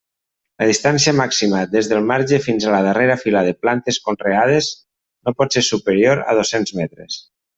La distància màxima des del marge fins a la darrera fila de plantes conreades no pot ser superior a dos-cents metres.